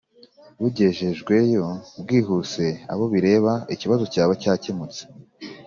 Bugejejwe yo bwihuse abo bireba ikibazo cyaba cyakemutse